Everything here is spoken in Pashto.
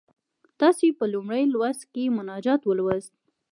تاسې په لومړي لوست کې مناجات ولوست.